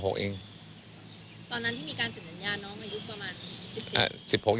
ตอนนั้นที่มีการเซ็นสัญญาน้องอายุประมาณ๑๗